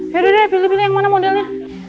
yaudah deh pilih pilih yang mana modelnya